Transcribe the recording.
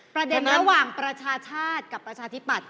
ประเด็นระหว่างประชาชาติกับประชาธิบัตร